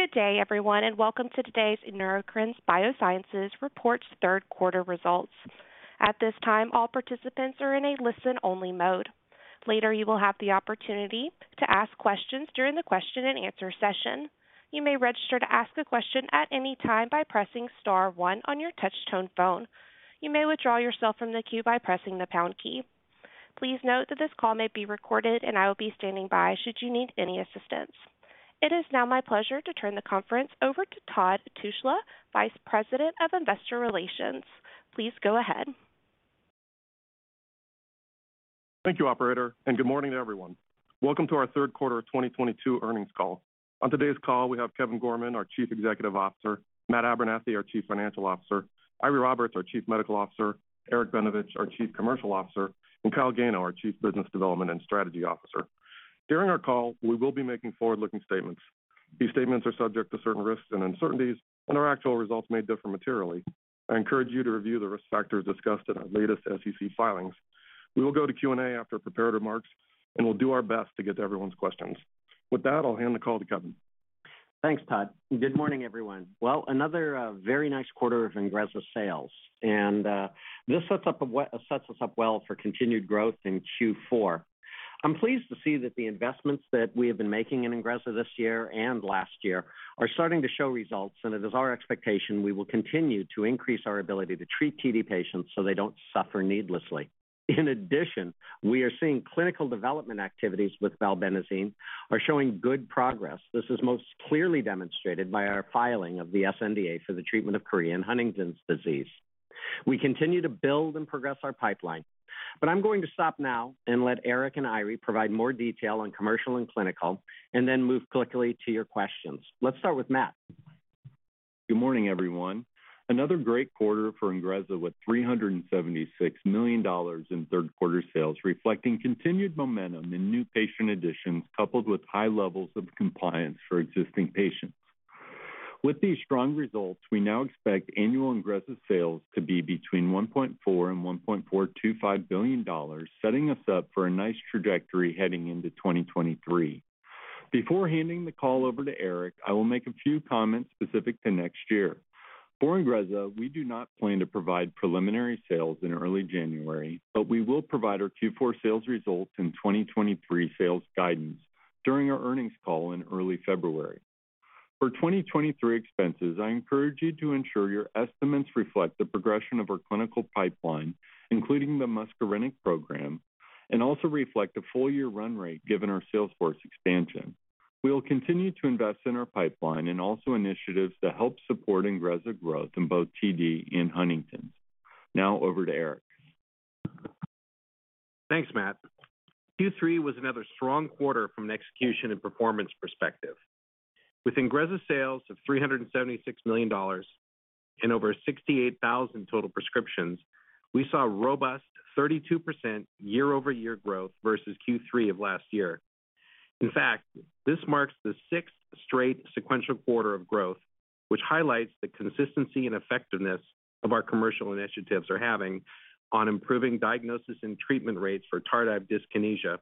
Good day, everyone, and welcome to today's Neurocrine Biosciences Reports Third Quarter Results. At this time, all participants are in a listen-only mode. Later, you will have the opportunity to ask questions during the question and answer session. You may register to ask a question at any time by pressing star one on your touch-tone phone. You may withdraw yourself from the queue by pressing the pound key. Please note that this call may be recorded, and I will be standing by should you need any assistance. It is now my pleasure to turn the conference over to Todd Tushla, Vice President of Investor Relations. Please go ahead. Thank you, operator, and good morning to everyone. Welcome to our third quarter of 2022 earnings call. On today's call, we have Kevin Gorman, our Chief Executive Officer, Matt Abernethy, our Chief Financial Officer, Eiry Roberts, our Chief Medical Officer, Eric Benevich, our Chief Commercial Officer, and Kyle Gano, our Chief Business Development and Strategy Officer. During our call, we will be making forward-looking statements. These statements are subject to certain risks and uncertainties, and our actual results may differ materially. I encourage you to review the risk factors discussed in our latest SEC filings. We will go to Q&A after prepared remarks, and we'll do our best to get to everyone's questions. With that, I'll hand the call to Kevin. Thanks, Todd. Good morning, everyone. Well, another very nice quarter of INGREZZA sales, and this sets us up well for continued growth in Q4. I'm pleased to see that the investments that we have been making in INGREZZA this year and last year are starting to show results, and it is our expectation we will continue to increase our ability to treat TD patients so they don't suffer needlessly. In addition, we are seeing clinical development activities with Valbenazine are showing good progress. This is most clearly demonstrated by our filing of the sNDA for the treatment of chorea and Huntington's disease. We continue to build and progress our pipeline. I'm going to stop now and let Eric and Eiry provide more detail on commercial and clinical, and then move quickly to your questions. Let's start with Matt. Good morning, everyone. Another great quarter for INGREZZA with $376 million in third quarter sales, reflecting continued momentum in new patient additions, coupled with high levels of compliance for existing patients. With these strong results, we now expect annual INGREZZA sales to be between $1.4 billion and $1.425 billion, setting us up for a nice trajectory heading into 2023. Before handing the call over to Eric, I will make a few comments specific to next year. For INGREZZA, we do not plan to provide preliminary sales in early January, but we will provide our Q4 sales results in 2023 sales guidance during our earnings call in early February. For 2023 expenses, I encourage you to ensure your estimates reflect the progression of our clinical pipeline, including the muscarinic program, and also reflect a full-year run rate, given our sales force expansion. We will continue to invest in our pipeline and also initiatives that help support INGREZZA growth in both TD and Huntington's. Now over to Eric. Thanks, Matt. Q3 was another strong quarter from an execution and performance perspective. With INGREZZA sales of $376 million and over 68,000 total prescriptions, we saw robust 32% year-over-year growth versus Q3 of last year. In fact, this marks the sixth straight sequential quarter of growth, which highlights the consistency and effectiveness of our commercial initiatives are having on improving diagnosis and treatment rates for tardive dyskinesia,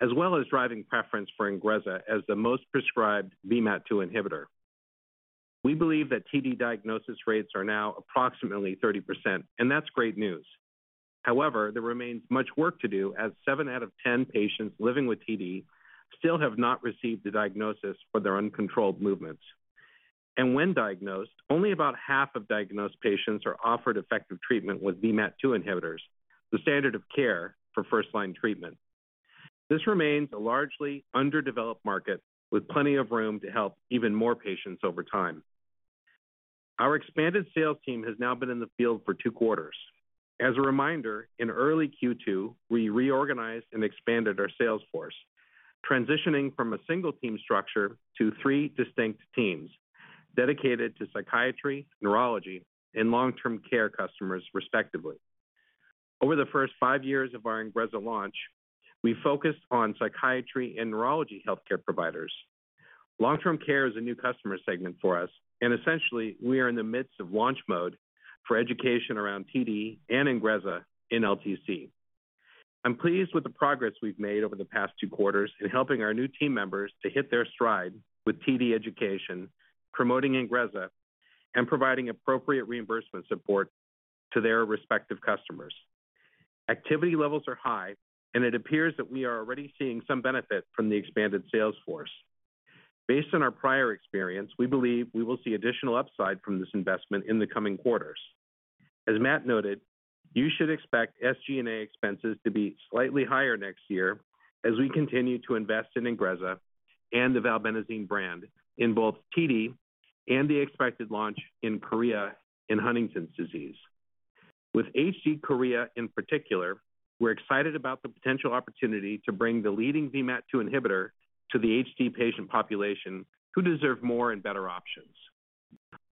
as well as driving preference for INGREZZA as the most prescribed VMAT2 inhibitor. We believe that TD diagnosis rates are now approximately 30%, and that's great news. However, there remains much work to do as 7 out of 10 patients living with TD still have not received a diagnosis for their uncontrolled movements. When diagnosed, only about half of diagnosed patients are offered effective treatment with VMAT2 inhibitors, the standard of care for first-line treatment. This remains a largely underdeveloped market with plenty of room to help even more patients over time. Our expanded sales team has now been in the field for 2 quarters. As a reminder, in early Q2, we reorganized and expanded our sales force, transitioning from a single team structure to three distinct teams dedicated to psychiatry, neurology, and long-term care customers, respectively. Over the first 5 years of our INGREZZA launch, we focused on psychiatry and neurology healthcare providers. Long-term care is a new customer segment for us, and essentially, we are in the midst of launch mode for education around TD and INGREZZA in LTC. I'm pleased with the progress we've made over the past 2 quarters in helping our new team members to hit their stride with TD education, promoting INGREZZA, and providing appropriate reimbursement support to their respective customers. Activity levels are high, and it appears that we are already seeing some benefit from the expanded sales force. Based on our prior experience, we believe we will see additional upside from this investment in the coming quarters. As Matt noted, you should expect SG&A expenses to be slightly higher next year as we continue to invest in INGREZZA and the Valbenazine brand in both TD and the expected launch in Korea and Huntington's disease. With HD chorea, in particular, we're excited about the potential opportunity to bring the leading VMAT2 inhibitor to the HD patient population who deserve more and better options.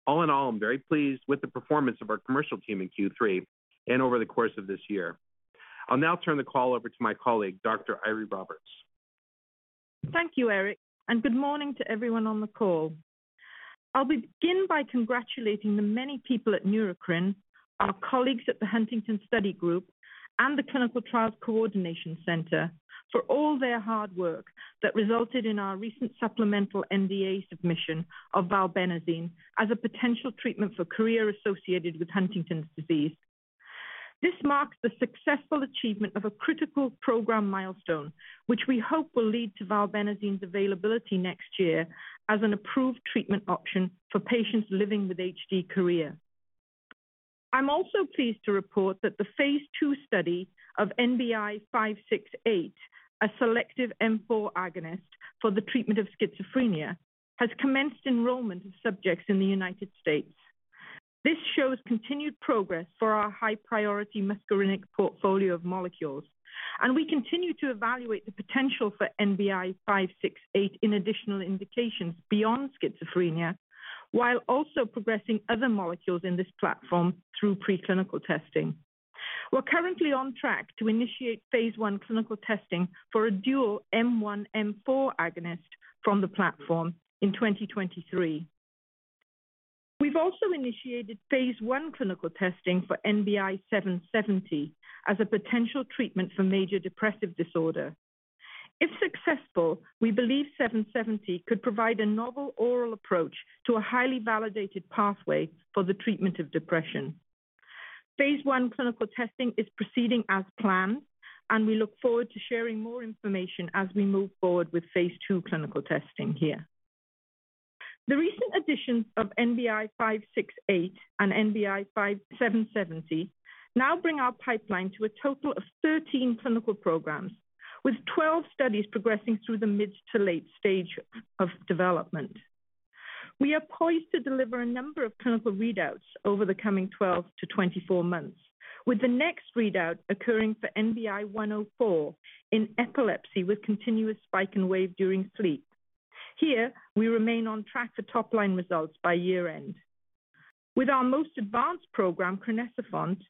All in all, I'm very pleased with the performance of our commercial team in Q3 and over the course of this year. I'll now turn the call over to my colleague, Dr. Eiry Roberts. Thank you, Eric, and good morning to everyone on the call. I'll begin by congratulating the many people at Neurocrine, our colleagues at the Huntington Study Group and the Clinical Trials Coordination Center for all their hard work that resulted in our recent supplemental NDA submission of Valbenazine as a potential treatment for chorea associated with Huntington's disease. This marks the successful achievement of a critical program milestone, which we hope will lead to Valbenazine's availability next year as an approved treatment option for patients living with HD chorea. I'm also pleased to report that the phase 2 study of NBI-568, a selective M4 agonist for the treatment of schizophrenia, has commenced enrollment of subjects in the United States. This shows continued progress for our high priority muscarinic portfolio of molecules, and we continue to evaluate the potential for NBI-568 in additional indications beyond schizophrenia, while also progressing other molecules in this platform through preclinical testing. We're currently on track to initiate phase 1 clinical testing for a dual M1/M4 agonist from the platform in 2023. We've also initiated phase 1 clinical testing for NBI-770 as a potential treatment for major depressive disorder. If successful, we believe 770 could provide a novel oral approach to a highly validated pathway for the treatment of depression. Phase 1 clinical testing is proceeding as planned, and we look forward to sharing more information as we move forward with phase 2 clinical testing here. The recent addition of NBI-1065845 and NBI-1070770 now bring our pipeline to a total of 13 clinical programs, with 12 studies progressing through the mid- to late-stage of development. We are poised to deliver a number of clinical readouts over the coming 12-24 months, with the next readout occurring for NBI-827104 in epilepsy with continuous spike-and-wave during sleep. Here, we remain on track for top line results by year-end. With our most advanced program, crinecerfont,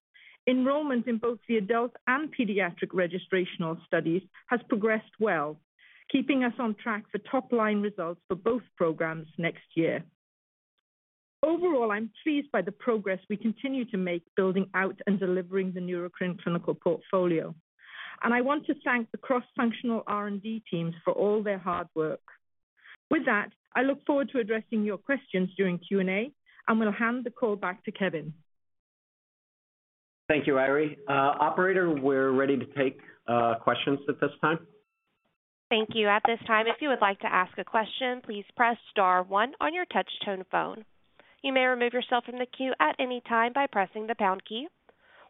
enrollment in both the adult and pediatric registrational studies has progressed well, keeping us on track for top line results for both programs next year. Overall, I'm pleased by the progress we continue to make building out and delivering the Neurocrine clinical portfolio, and I want to thank the cross-functional R&D teams for all their hard work. With that, I look forward to addressing your questions during Q&A, and will hand the call back to Kevin. Thank you, Eiry. Operator, we're ready to take questions at this time. Thank you. At this time, if you would like to ask a question, please press star one on your touch tone phone. You may remove yourself from the queue at any time by pressing the pound key.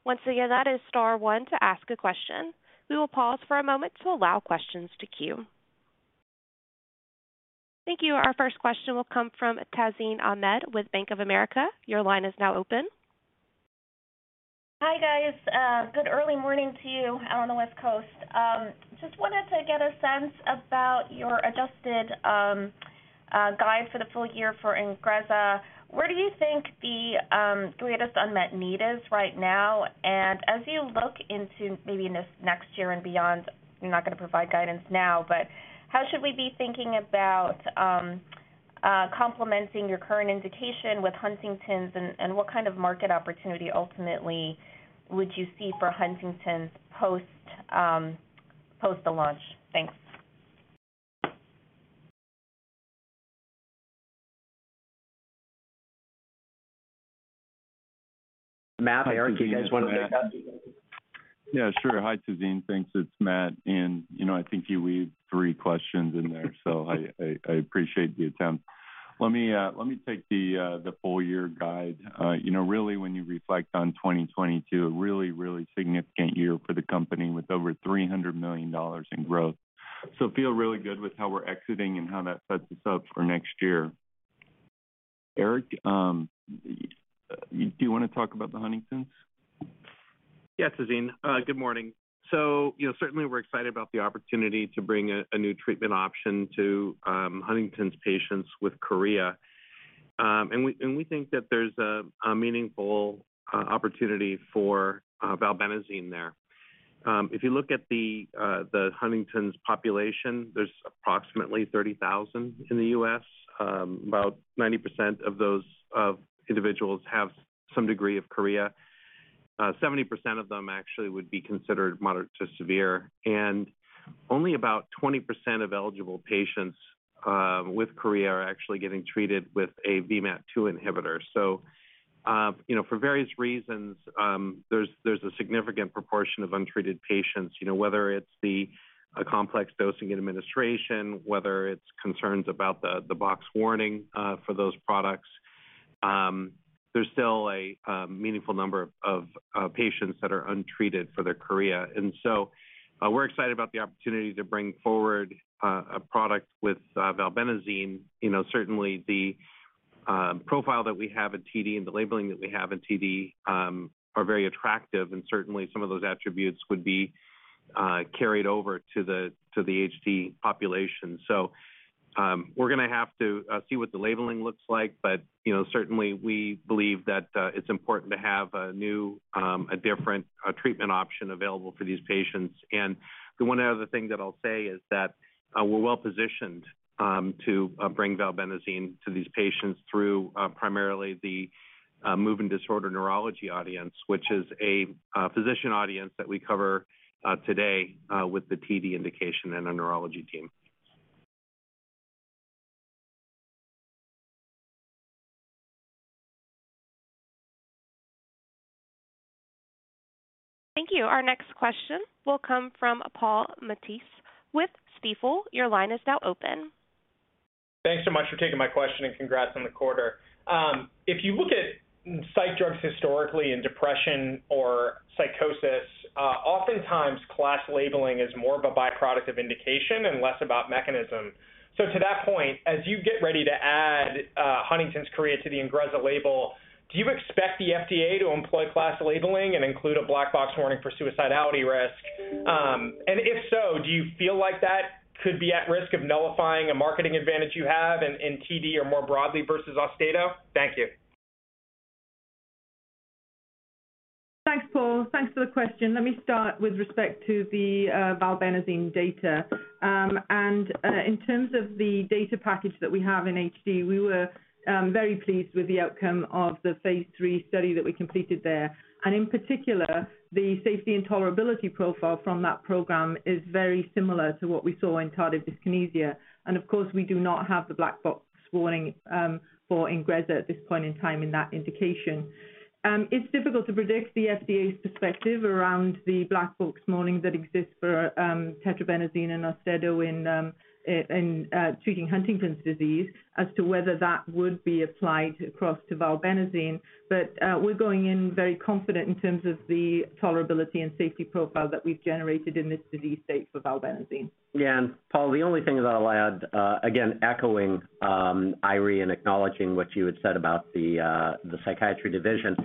Once again, that is star one to ask a question. We will pause for a moment to allow questions to queue. Thank you. Our first question will come from Tazeen Ahmad with Bank of America. Your line is now open. Hi, guys. Good early morning to you out on the West Coast. Just wanted to get a sense about your adjusted guide for the full year for INGREZZA. Where do you think the greatest unmet need is right now? As you look into maybe next year and beyond, I'm not going to provide guidance now, but how should we be thinking about complementing your current indication with Huntington's, and what kind of market opportunity ultimately would you see for Huntington's post the launch? Thanks. Matt, Eric, do you guys wanna take that? Yeah, sure. Hi, Tazeen. Thanks. It's Matt. You know, I think you wove three questions in there. I appreciate the attempt. Let me take the full-year guide. You know, really, when you reflect on 2022, a really significant year for the company with over $300 million in growth. We feel really good with how we're exiting and how that sets us up for next year. Eric, do you wanna talk about the Huntington's? Yeah, Tazeen. Good morning. You know, certainly we're excited about the opportunity to bring a new treatment option to Huntington's patients with chorea. We think that there's a meaningful opportunity for valbenazine there. If you look at the Huntington's population, there's approximately 30,000 in the U.S. About 90% of those individuals have some degree of chorea. Seventy percent of them actually would be considered moderate to severe. Only about 20% of eligible patients with chorea are actually getting treated with a VMAT2 inhibitor. You know, for various reasons, there's a significant proportion of untreated patients. You know, whether it's the complex dosing and administration, whether it's concerns about the box warning for those products, there's still a meaningful number of patients that are untreated for their chorea. We're excited about the opportunity to bring forward a product with Valbenazine. You know, certainly the profile that we have in TD and the labeling that we have in TD are very attractive, and certainly some of those attributes would be carried over to the HD population. We're gonna have to see what the labeling looks like, but You know, certainly we believe that it's important to have a new, different treatment option available for these patients. The one other thing that I'll say is that we're well-positioned to bring Valbenazine to these patients through primarily the movement disorder neurology audience, which is a physician audience that we cover today with the TD indication and a neurology team. Thank you. Our next question will come from Paul Matteis with Stifel. Your line is now open. Thanks so much for taking my question and congrats on the quarter. If you look at psych drugs historically in depression or psychosis, oftentimes class labeling is more of a by-product of indication and less about mechanism. To that point, as you get ready to add Huntington's chorea to the INGREZZA label, do you expect the FDA to employ class labeling and include a black box warning for suicidality risk? If so, do you feel like that could be at risk of nullifying a marketing advantage you have in TD or more broadly versus Austedo? Thank you. Thanks, Paul. Thanks for the question. Let me start with respect to the Valbenazine data. In terms of the data package that we have in HD, we were very pleased with the outcome of the phase three study that we completed there. In particular, the safety and tolerability profile from that program is very similar to what we saw in tardive dyskinesia. Of course, we do not have the black box warning for INGREZZA at this point in time in that indication. It's difficult to predict the FDA's perspective around the black box warning that exists for tetrabenazine and Austedo in treating Huntington's disease as to whether that would be applied across to Valbenazine. We're going in very confident in terms of the tolerability and safety profile that we've generated in this disease state for Valbenazine. Yeah. Paul, the only thing that I'll add, again, echoing Eiry, acknowledging what you had said about the psychiatry division.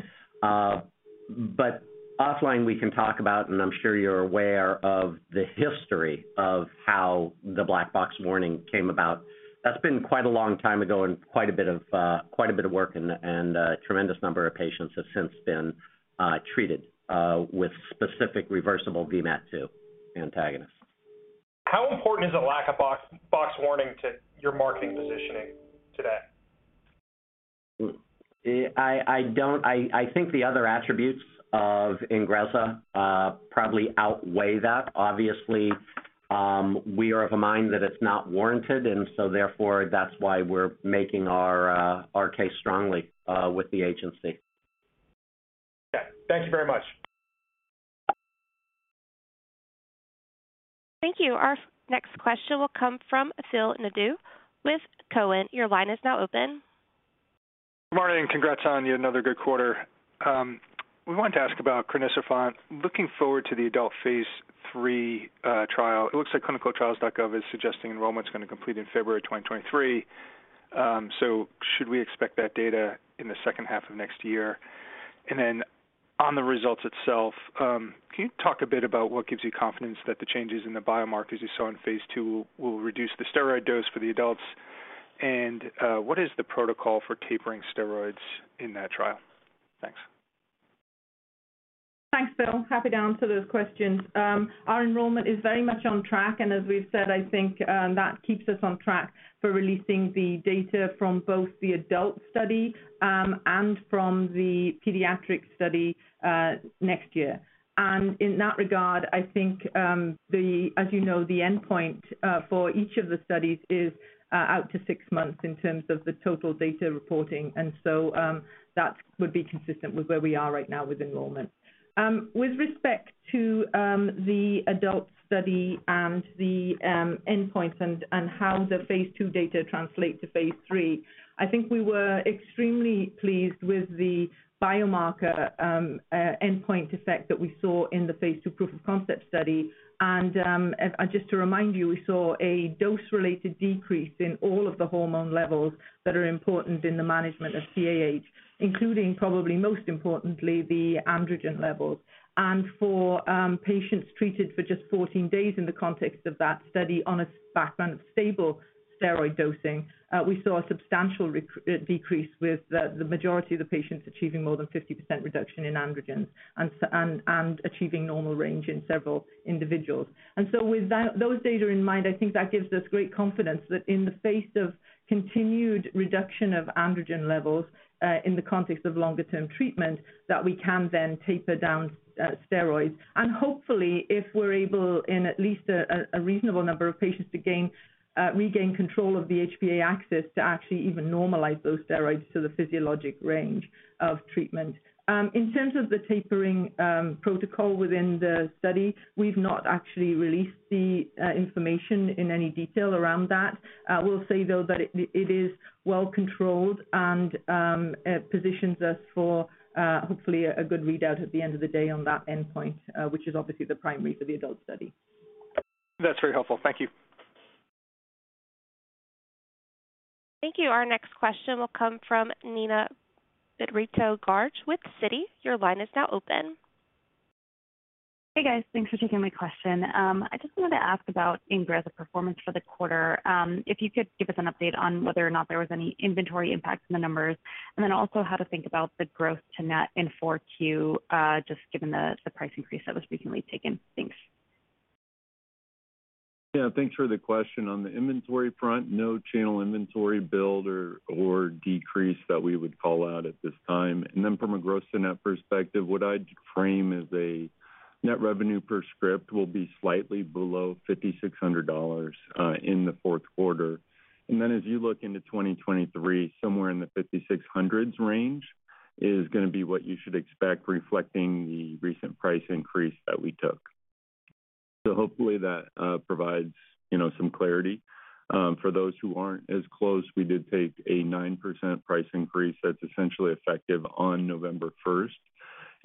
Offline we can talk about, and I'm sure you're aware of the history of how the black box warning came about. That's been quite a long time ago and quite a bit of work and tremendous number of patients have since been treated with specific reversible VMAT2 antagonists. How important is a lack of black box warning to your marketing positioning today? I don't think the other attributes of INGREZZA probably outweigh that. Obviously, we are of a mind that it's not warranted, and so therefore that's why we're making our case strongly with the agency. Okay. Thank you very much. Thank you. Our next question will come from Phil Nadeau with Cowen. Your line is now open. Good morning, and congrats on yet another good quarter. We wanted to ask about crinecerfont. Looking forward to the adult phase III trial, it looks like ClinicalTrials.gov is suggesting enrollment's gonna complete in February 2023. Should we expect that data in the second half of next year? On the results itself, can you talk a bit about what gives you confidence that the changes in the biomarkers you saw in phase 2 will reduce the steroid dose for the adults? What is the protocol for tapering steroids in that trial? Thanks. Thanks, Phil. Happy to answer those questions. Our enrollment is very much on track, and as we've said, I think that keeps us on track for releasing the data from both the adult study and from the pediatric study next year. In that regard, I think as you know the endpoint for each of the studies is out to six months in terms of the total data reporting. That would be consistent with where we are right now with enrollment. With respect to the adult study and the endpoints and how the phase II data translate to phase III, I think we were extremely pleased with the biomarker endpoint effect that we saw in the phase II proof of concept study. Just to remind you, we saw a dose-related decrease in all of the hormone levels that are important in the management of CAH, including probably most importantly, the androgen levels. For patients treated for just 14 days in the context of that study on a background of stable steroid dosing, we saw a substantial decrease with the majority of the patients achieving more than 50% reduction in androgens and achieving normal range in several individuals. With that, those data in mind, I think that gives us great confidence that in the face of continued reduction of androgen levels, in the context of longer term treatment, that we can then taper down steroids. Hopefully, if we're able in at least a reasonable number of patients to regain control of the HPA axis to actually even normalize those steroids to the physiologic range of treatment. In terms of the tapering protocol within the study, we've not actually released the information in any detail around that. We'll say though that it is well controlled and it positions us for hopefully a good readout at the end of the day on that endpoint, which is obviously the primary for the adult study. That's very helpful. Thank you. Thank you. Our next question will come from Neena Bitritto-Garg with Citi. Your line is now open. Hey, guys. Thanks for taking my question. I just wanted to ask about INGREZZA performance for the quarter. If you could give us an update on whether or not there was any inventory impact in the numbers, and then also how to think about the growth to net in Q4, just given the price increase that was recently taken. Thanks. Yeah, thanks for the question. On the inventory front, no channel inventory build or decrease that we would call out at this time. Then from a gross to net perspective, what I'd frame as a net revenue per script will be slightly below $5,600 in the fourth quarter. Then as you look into 2023, somewhere in the $5,600s range is gonna be what you should expect, reflecting the recent price increase that we took. Hopefully that provides, you know, some clarity. For those who aren't as close, we did take a 9% price increase that's essentially effective on November first.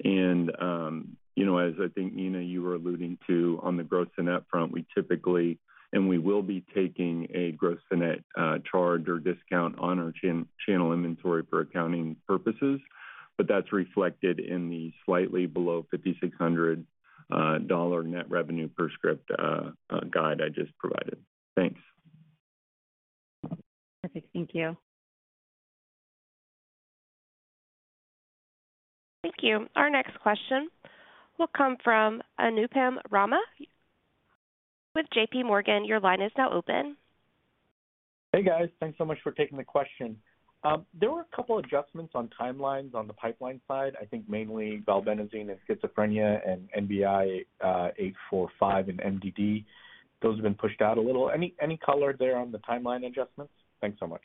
You know, as I think, Nina, you were alluding to on the gross to net front, we typically and we will be taking a gross to net charge or discount on our channel inventory for accounting purposes, but that's reflected in the slightly below $5,600 net revenue per script guide I just provided. Thanks. Perfect. Thank you. Thank you. Our next question will come from Anupam Rama with JPMorgan. Your line is now open. Hey, guys. Thanks so much for taking the question. There were a couple adjustments on timelines on the pipeline side, I think mainly Valbenazine and schizophrenia and NBI-845 and MDD. Those have been pushed out a little. Any color there on the timeline adjustments? Thanks so much.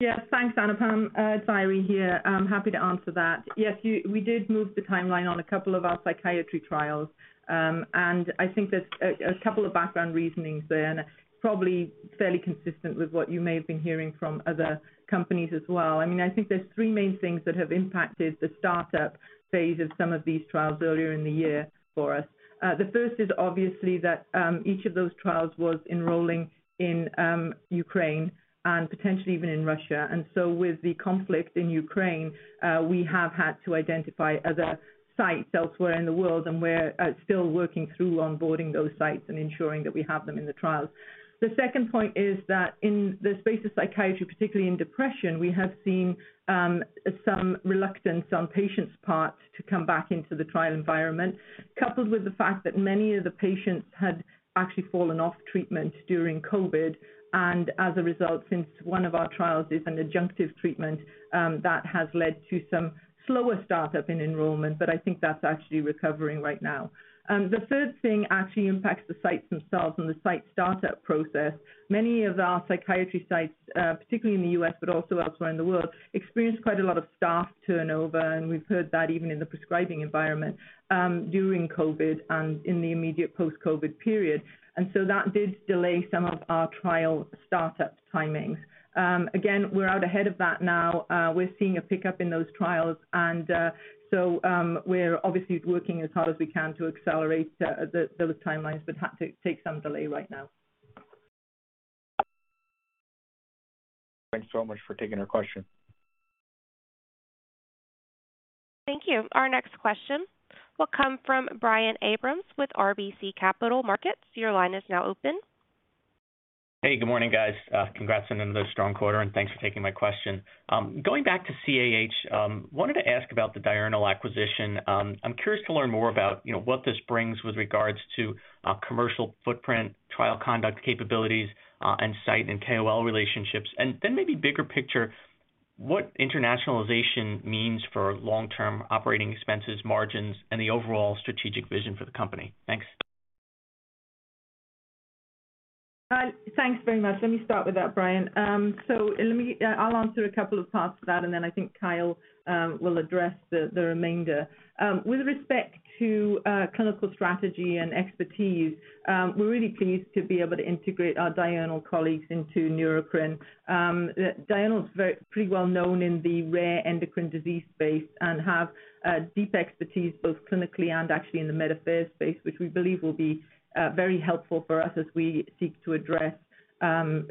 Yeah. Thanks, Anupam. Eiry Roberts here. I'm happy to answer that. Yes, we did move the timeline on a couple of our psychiatry trials. I think there's a couple of background reasonings there, and probably fairly consistent with what you may have been hearing from other companies as well. I mean, I think there's three main things that have impacted the startup phase of some of these trials earlier in the year for us. The first is obviously that, each of those trials was enrolling in, Ukraine and potentially even in Russia. With the conflict in Ukraine, we have had to identify other sites elsewhere in the world, and we're still working through onboarding those sites and ensuring that we have them in the trials. The second point is that in the space of psychiatry, particularly in depression, we have seen some reluctance on patients' part to come back into the trial environment, coupled with the fact that many of the patients had actually fallen off treatment during COVID. As a result, since one of our trials is an adjunctive treatment, that has led to some slower startup in enrollment, but I think that's actually recovering right now. The third thing actually impacts the sites themselves and the site startup process. Many of our psychiatry sites, particularly in the U.S., but also elsewhere in the world, experienced quite a lot of staff turnover, and we've heard that even in the prescribing environment, during COVID and in the immediate post-COVID period. That did delay some of our trial startup timings. Again, we're out ahead of that now. We're seeing a pickup in those trials and so we're obviously working as hard as we can to accelerate those timelines, but have to take some delay right now. Thanks so much for taking our question. Thank you. Our next question will come from Brian Abrahams with RBC Capital Markets. Your line is now open. Hey, good morning, guys. Congrats on another strong quarter, and thanks for taking my question. Going back to CAH, wanted to ask about the Diurnal acquisition. I'm curious to learn more about, you know, what this brings with regards to commercial footprint, trial conduct capabilities, and site and KOL relationships. Maybe bigger picture, what internationalization means for long-term operating expenses, margins, and the overall strategic vision for the company. Thanks. Thanks very much. Let me start with that, Brian. I'll answer a couple of parts to that, and then I think Kyle will address the remainder. With respect to clinical strategy and expertise, we're really pleased to be able to integrate our Diurnal colleagues into Neurocrine. Diurnal is pretty well known in the rare endocrine disease space and have deep expertise both clinically and actually in the med affairs space, which we believe will be very helpful for us as we seek to address CAH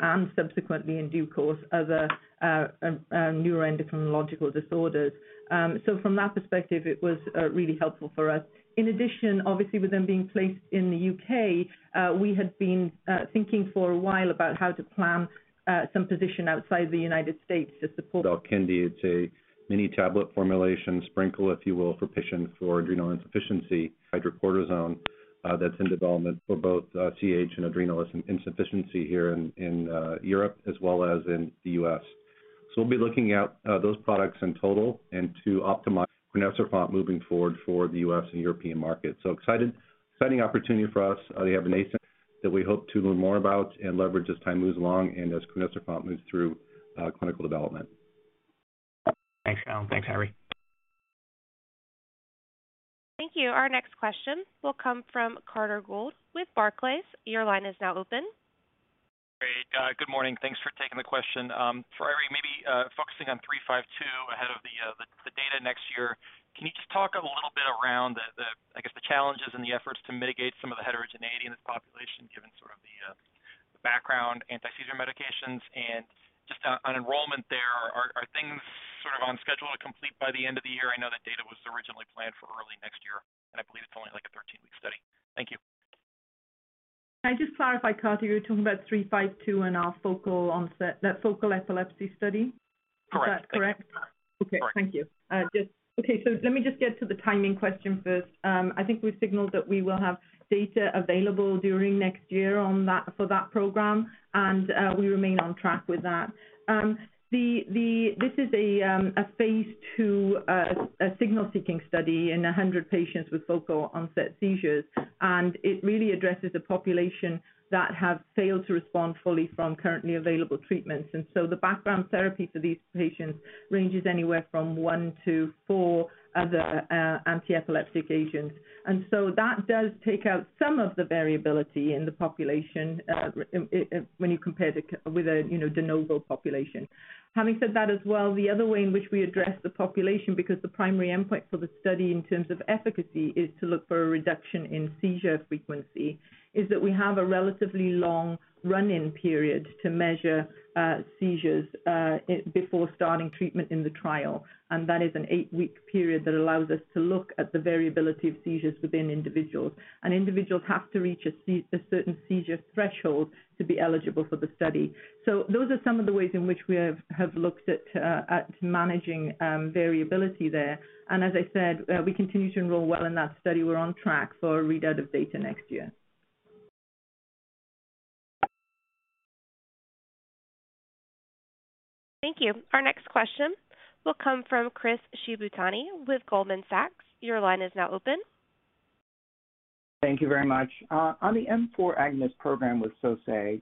and subsequently in due course, other neuroendocrinological disorders. From that perspective, it was really helpful for us. In addition, obviously with them being placed in the UK, we had been thinking for a while about how to plan some position outside the United States to support. Alkindi. It's a mini tablet formulation sprinkle, if you will, for patients for adrenal insufficiency, hydrocortisone, that's in development for both, CAH and adrenal insufficiency here in Europe as well as in the U.S. We'll be looking at those products in total and to optimize crinecerfont moving forward for the U.S. and European markets. Exciting opportunity for us. They have an agent that we hope to learn more about and leverage as time moves along and as crinecerfont moves through clinical development. Thanks, Kyle. Thanks, Eiry. Thank you. Our next question will come from Carter Gould with Barclays. Your line is now open. Great. Good morning. Thanks for taking the question. For Eiry, maybe focusing on NBI-921352 ahead of the data next year. Can you just talk a little bit around the, I guess, the challenges and the efforts to mitigate some of the heterogeneity in this population? Anti-seizure medications and just on enrollment there, are things sort of on schedule to complete by the end of the year? I know that data was originally planned for early next year, and I believe it's only like a 13-week study. Thank you. Can I just clarify, Carter, you're talking about 352 in our focal onset, that focal epilepsy study? Correct. Is that correct? Correct. Okay, thank you. Let me just get to the timing question first. I think we signaled that we will have data available during next year on that for that program, and we remain on track with that. This is a phase two signal-seeking study in 100 patients with focal onset seizures, and it really addresses a population that have failed to respond fully from currently available treatments. The background therapy for these patients ranges anywhere from 1 to 4 other anti-epileptic agents. That does take out some of the variability in the population, it when you compare with a, you know, de novo population. Having said that as well, the other way in which we address the population, because the primary endpoint for the study in terms of efficacy is to look for a reduction in seizure frequency, is that we have a relatively long run-in period to measure seizures before starting treatment in the trial. That is an eight-week period that allows us to look at the variability of seizures within individuals. Individuals have to reach a certain seizure threshold to be eligible for the study. Those are some of the ways in which we have looked at managing variability there. As I said, we continue to enroll well in that study. We're on track for a readout of data next year. Thank you. Our next question will come from Chris Shibutani with Goldman Sachs. Your line is now open. Thank you very much. On the M4 agonist program with Sosei,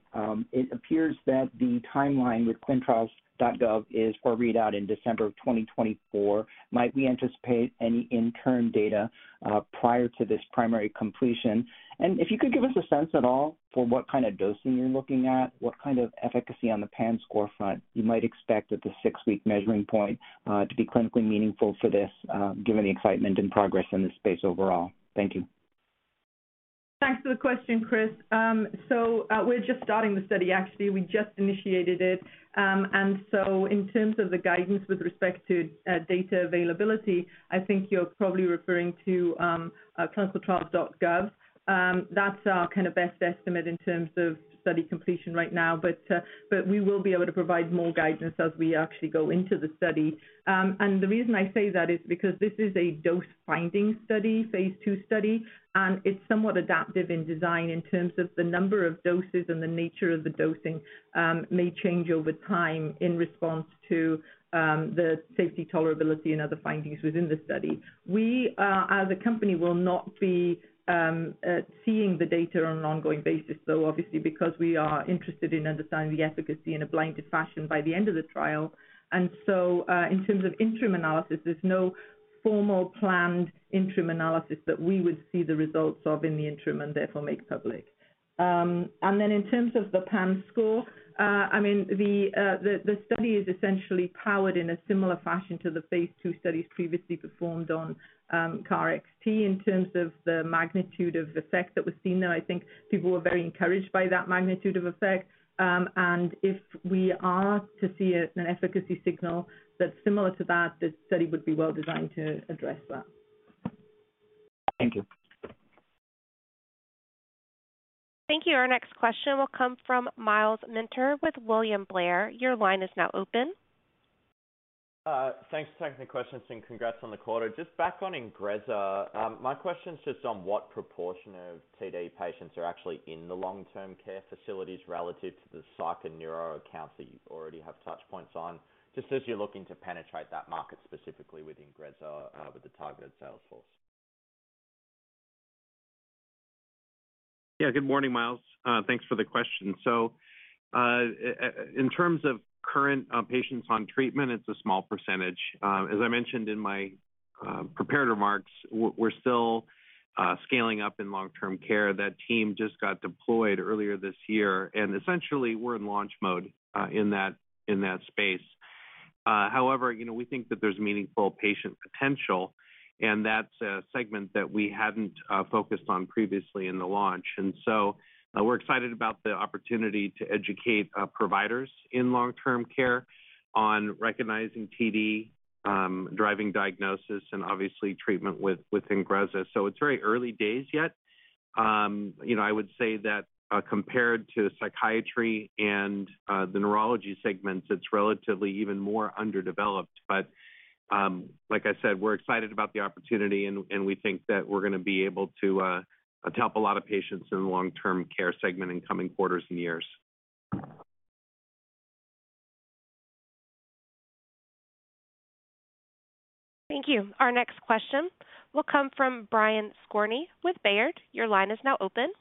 it appears that the timeline with ClinicalTrials.gov is for a readout in December of 2024. Might we anticipate any interim data prior to this primary completion? If you could give us a sense at all for what kind of dosing you're looking at, what kind of efficacy on the PANSS score front you might expect at the six-week measuring point to be clinically meaningful for this, given the excitement and progress in this space overall. Thank you. Thanks for the question, Chris. So, we're just starting the study, actually. We just initiated it. In terms of the guidance with respect to data availability, I think you're probably referring to ClinicalTrials.gov. That's our kind of best estimate in terms of study completion right now. We will be able to provide more guidance as we actually go into the study. The reason I say that is because this is a dose-finding study, phase two study. It's somewhat adaptive in design in terms of the number of doses and the nature of the dosing may change over time in response to the safety, tolerability and other findings within the study. We, as a company, will not be seeing the data on an ongoing basis. Obviously, because we are interested in understanding the efficacy in a blinded fashion by the end of the trial. In terms of interim analysis, there's no formal planned interim analysis that we would see the results of in the interim and therefore make public. In terms of the PANSS score, I mean, the study is essentially powered in a similar fashion to the phase 2 studies previously performed on KarXT in terms of the magnitude of effect that was seen there. I think people were very encouraged by that magnitude of effect. If we are to see an efficacy signal that's similar to that, the study would be well designed to address that. Thank you. Thank you. Our next question will come from Myles Minter with William Blair. Your line is now open. Thanks for taking the questions and congrats on the quarter. Just back on Ingrezza. My question is just on what proportion of TD patients are actually in the long-term care facilities relative to the psych and neuro accounts that you already have touch points on. Just as you're looking to penetrate that market specifically with Ingrezza, with the targeted sales force. Yeah, good morning, Myles. Thanks for the question. In terms of current patients on treatment, it's a small percentage. As I mentioned in my prepared remarks, we're still scaling up in long-term care. That team just got deployed earlier this year, and essentially, we're in launch mode in that space. However, you know, we think that there's meaningful patient potential, and that's a segment that we hadn't focused on previously in the launch. We're excited about the opportunity to educate providers in long-term care on recognizing TD, driving diagnosis, and obviously treatment with Ingrezza. It's very early days yet. You know, I would say that compared to psychiatry and the neurology segments, it's relatively even more underdeveloped. Like I said, we're excited about the opportunity and we think that we're gonna be able to help a lot of patients in the long-term care segment in coming quarters and years. Thank you. Our next question will come from Brian Skorney with Baird. Your line is now open.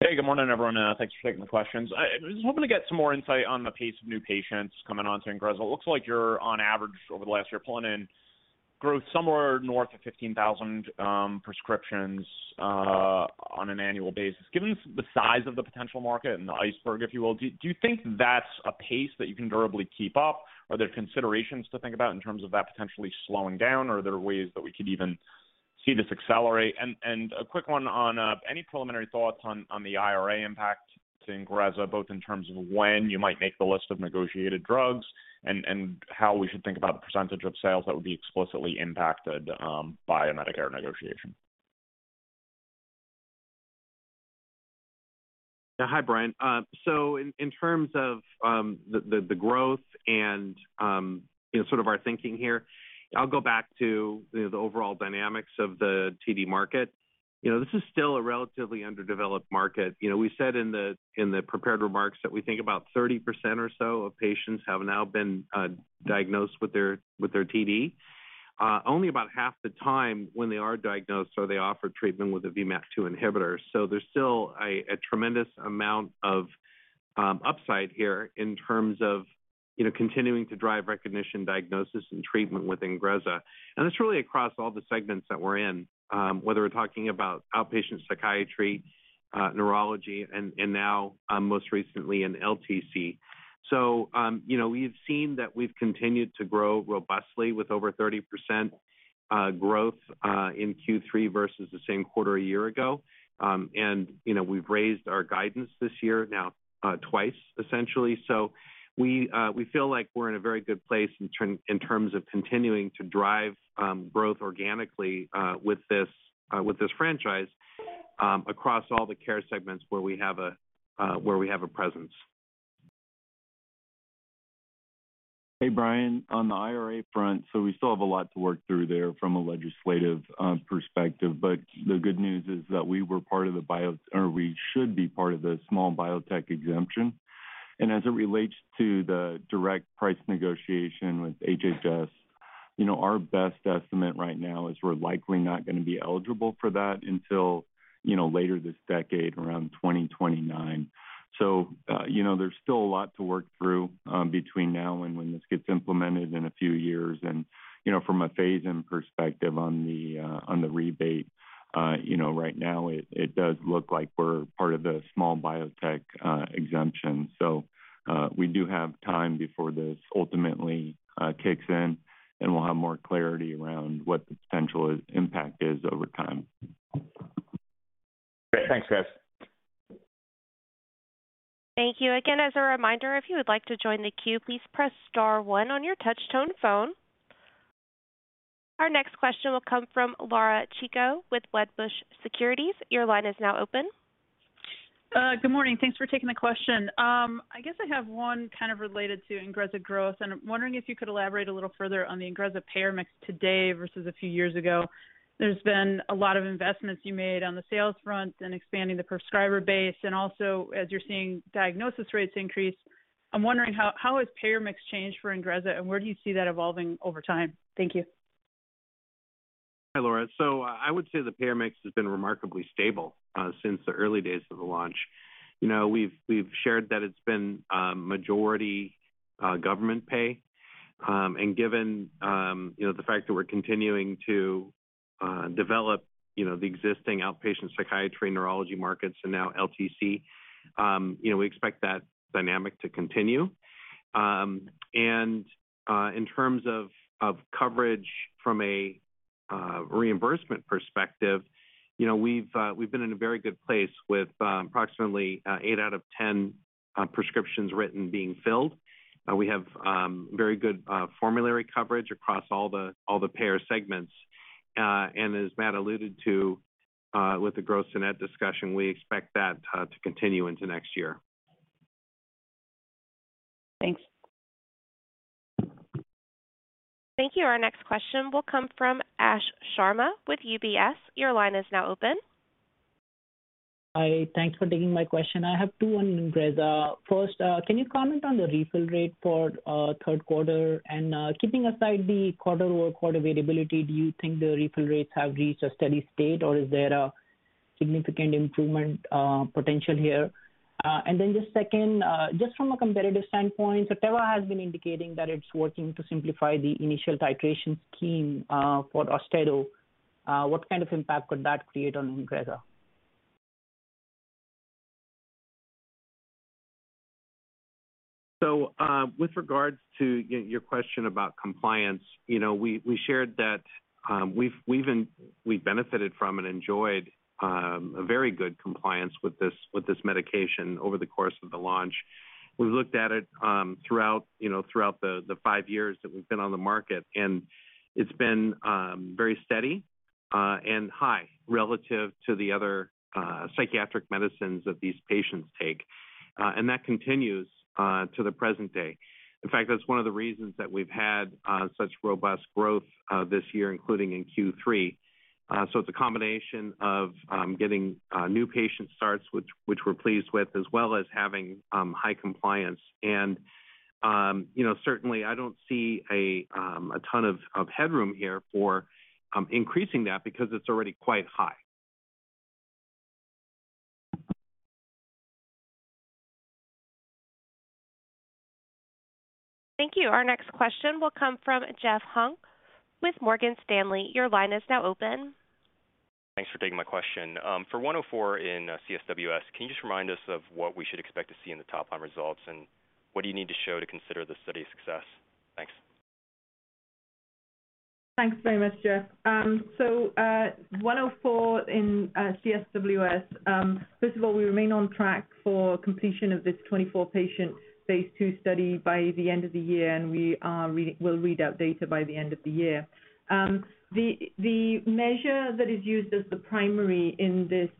Hey, good morning, everyone. Thanks for taking the questions. I was hoping to get some more insight on the pace of new patients coming onto Ingrezza. It looks like you're on average over the last year, pulling in growth somewhere north of 15,000 prescriptions on an annual basis. Given the size of the potential market and the iceberg, if you will, do you think that's a pace that you can durably keep up? Are there considerations to think about in terms of that potentially slowing down? Or are there ways that we could even See this accelerate. A quick one on any preliminary thoughts on the IRA impact to Ingrezza, both in terms of when you might make the list of negotiated drugs and how we should think about the percentage of sales that would be explicitly impacted by a Medicare negotiation? Yeah. Hi, Brian. In terms of the growth and you know sort of our thinking here, I'll go back to you know the overall dynamics of the TD market. You know, this is still a relatively underdeveloped market. You know, we said in the prepared remarks that we think about 30% or so of patients have now been diagnosed with their TD. Only about half the time when they are diagnosed are they offered treatment with a VMAT2 inhibitor. There's still a tremendous amount of upside here in terms of you know continuing to drive recognition, diagnosis, and treatment with Ingrezza. It's really across all the segments that we're in, whether we're talking about outpatient psychiatry, neurology, and now most recently in LTC. You know, we've seen that we've continued to grow robustly with over 30% growth in Q3 versus the same quarter a year ago. You know, we've raised our guidance this year now twice, essentially. We feel like we're in a very good place in terms of continuing to drive growth organically with this franchise across all the care segments where we have a presence. Hey, Brian. On the IRA front, we still have a lot to work through there from a legislative perspective. But the good news is that we should be part of the small biotech exemption. As it relates to the direct price negotiation with HHS, you know, our best estimate right now is we're likely not gonna be eligible for that until, you know, later this decade, around 2029. You know, there's still a lot to work through between now and when this gets implemented in a few years. You know, from a phase-in perspective on the on the rebate, you know, right now it does look like we're part of the small biotech exemption. We do have time before this ultimately kicks in, and we'll have more clarity around what the potential impact is over time. Great. Thanks, guys. Thank you. Again, as a reminder, if you would like to join the queue, please press star one on your touch-tone phone. Our next question will come from Laura Chico with Wedbush Securities. Your line is now open. Good morning. Thanks for taking the question. I guess I have one kind of related to Ingrezza growth, and I'm wondering if you could elaborate a little further on the Ingrezza payer mix today versus a few years ago. There's been a lot of investments you made on the sales front and expanding the prescriber base, and also as you're seeing diagnosis rates increase, I'm wondering how has payer mix changed for Ingrezza, and where do you see that evolving over time? Thank you. Hi, Laura. I would say the payer mix has been remarkably stable, since the early days of the launch. You know, we've shared that it's been majority government pay. Given you know, the fact that we're continuing to develop, you know, the existing outpatient psychiatry, neurology markets and now LTC, you know, we expect that dynamic to continue. In terms of coverage from a reimbursement perspective, you know, we've been in a very good place with approximately 8 out of 10 prescriptions written being filled. We have very good formulary coverage across all the payer segments. As Matt alluded to, with the gross to net discussion, we expect that to continue into next year. Thanks. Thank you. Our next question will come from Ash Verma with UBS. Your line is now open. Hi. Thanks for taking my question. I have two on Ingrezza. First, can you comment on the refill rate for third quarter? Keeping aside the quarter-over-quarter variability, do you think the refill rates have reached a steady state, or is there a significant improvement potential here? Then the second, just from a competitive standpoint, Teva has been indicating that it's working to simplify the initial titration scheme for Austedo. What kind of impact could that create on Ingrezza? With regards to your question about compliance, you know, we shared that we've benefited from and enjoyed a very good compliance with this medication over the course of the launch. We've looked at it throughout, you know, throughout the five years that we've been on the market, and it's been very steady and high relative to the other psychiatric medicines that these patients take. And that continues to the present day. In fact, that's one of the reasons that we've had such robust growth this year, including in Q3. It's a combination of getting new patient starts, which we're pleased with, as well as having high compliance. You know, certainly, I don't see a ton of headroom here for increasing that because it's already quite high. Thank you. Our next question will come from Jeff Hung with Morgan Stanley. Your line is now open. Thanks for taking my question. For NBI-827104 in CSWS, can you just remind us of what we should expect to see in the top line results, and what do you need to show to consider the study a success? Thanks. Thanks very much, Jeff. So, 104 in CSWS. First of all, we remain on track for completion of this 24-patient phase 2 study by the end of the year, and we will read out data by the end of the year. The measure that is used as the primary in this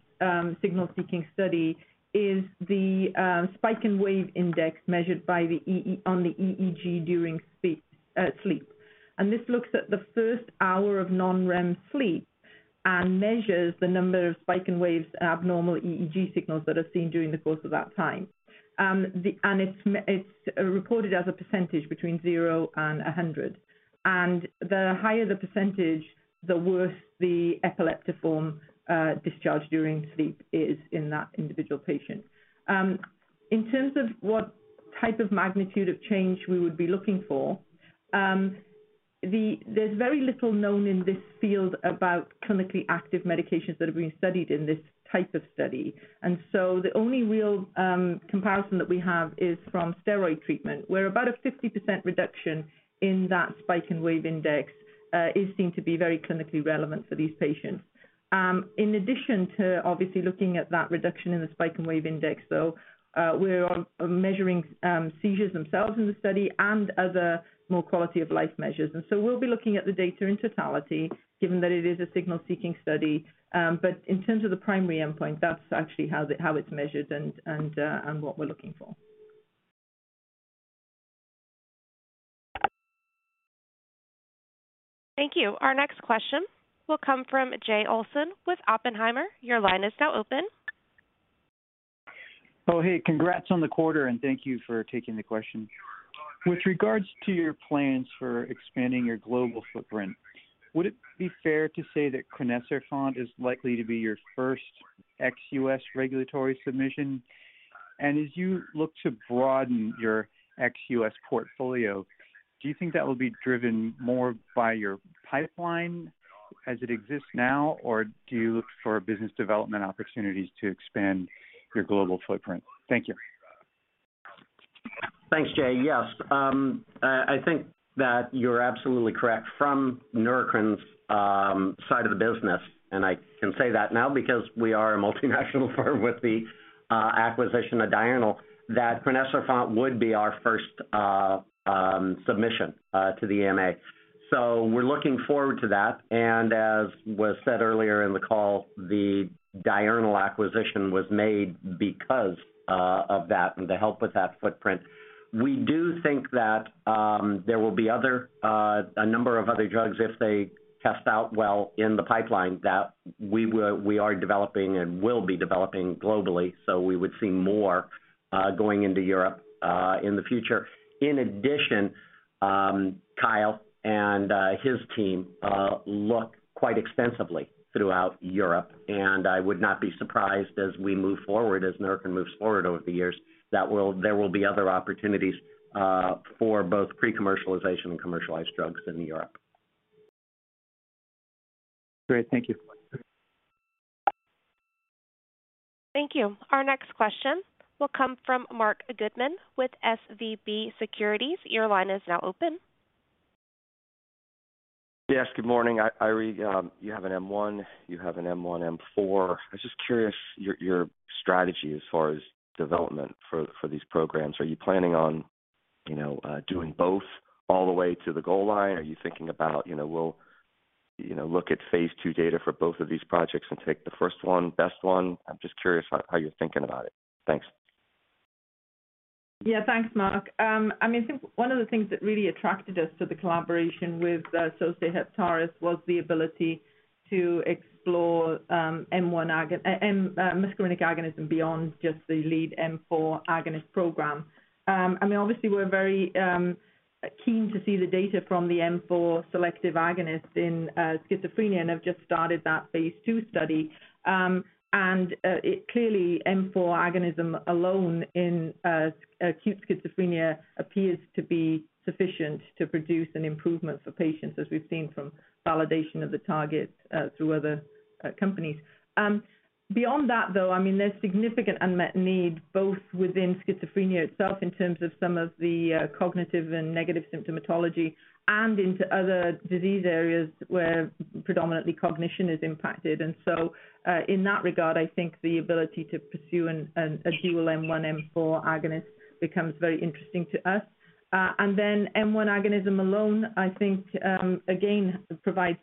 signal-seeking study is the spike-and-wave index measured on the EEG during sleep. This looks at the first hour of non-REM sleep and measures the number of spike-and-waves abnormal EEG signals that are seen during the course of that time. It's reported as a percentage between 0 and 100. The higher the percentage, the worse the epileptiform discharge during sleep is in that individual patient. In terms of what type of magnitude of change we would be looking for, there's very little known in this field about clinically active medications that have been studied in this type of study. The only real comparison that we have is from steroid treatment, where about a 50% reduction in that spike-and-wave index is seen to be very clinically relevant for these patients. In addition to obviously looking at that reduction in the spike-and-wave index, though, we're measuring seizures themselves in the study and other more quality of life measures. We'll be looking at the data in totality given that it is a signal seeking study. In terms of the primary endpoint, that's actually how it's measured and what we're looking for. Thank you. Our next question will come from Jay Olson with Oppenheimer. Your line is now open. Oh, hey, congrats on the quarter, and thank you for taking the question. With regards to your plans for expanding your global footprint, would it be fair to say that crinecerfont is likely to be your first ex-US regulatory submission? As you look to broaden your ex-US portfolio, do you think that will be driven more by your pipeline as it exists now, or do you look for business development opportunities to expand your global footprint? Thank you. Thanks, Jay. Yes. I think that you're absolutely correct. From Neurocrine's side of the business, and I can say that now because we are a multinational firm with the acquisition of Diurnal, that crinecerfont would be our first submission to the EMA. So we're looking forward to that. As was said earlier in the call, the Diurnal acquisition was made because of that and to help with that footprint. We do think that there will be a number of other drugs if they test out well in the pipeline that we are developing and will be developing globally, so we would see more going into Europe in the future. In addition, Kyle and his team look quite extensively throughout Europe, and I would not be surprised as we move forward, as Neurocrine moves forward over the years, that there will be other opportunities for both pre-commercialization and commercialized drugs in Europe. Great. Thank you. Thank you. Our next question will come from Marc Goodman with SVB Securities. Your line is now open. Yes, good morning. Hi, Eiry, you have an M1, you have an M1 M4. I was just curious about your strategy as far as development for these programs. Are you planning on, you know, doing both all the way to the goal line? Are you thinking about, you know, we'll, you know, look at phase 2 data for both of these projects and take the first one, best one? I'm just curious how you're thinking about it. Thanks. Yeah. Thanks, Mark. I mean, I think one of the things that really attracted us to the collaboration with Sosei Heptares was the ability to explore muscarinic agonism beyond just the lead M4 agonist program. I mean, obviously we're very keen to see the data from the M4 selective agonist in schizophrenia, and have just started that phase 2 study. It clearly M4 agonism alone in acute schizophrenia appears to be sufficient to produce an improvement for patients as we've seen from validation of the target through other companies. Beyond that, though, I mean, there's significant unmet need both within schizophrenia itself in terms of some of the cognitive and negative symptomatology and into other disease areas where predominantly cognition is impacted. In that regard, I think the ability to pursue a dual M1 M4 agonist becomes very interesting to us. And then M1 agonism alone, I think, again, provides